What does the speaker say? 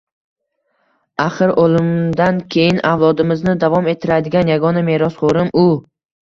Axir oʻlimimdan keyin avlodimizni davom ettiradigan yagona merosxoʻrim u…